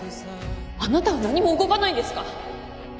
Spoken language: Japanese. あなたは何も動かないんですか？